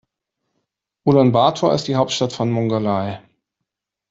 Ulaanbaatar ist die Hauptstadt von Mongolei.